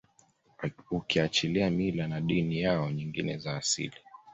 ukiachilia mila na dini yao nyngine za asili